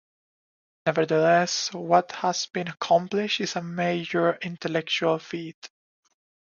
Nevertheless, what has been accomplished is a major intellectual feat.